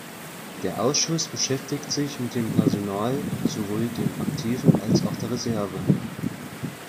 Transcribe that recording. Der Ausschuss beschäftigt sich mit dem Personal, sowohl dem Aktiven als auch der Reserve.